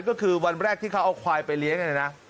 ก็คือวันแรกที่เขาเอาควายไปเลี้ยง